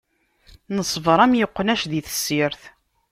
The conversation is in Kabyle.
Neṣbeṛ am iqnac di tessirt.